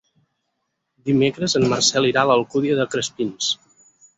Dimecres en Marcel irà a l'Alcúdia de Crespins.